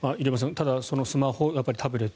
ただ、スマホ、タブレット